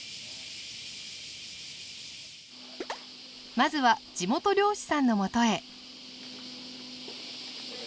まずは地元漁師さんのもとへ。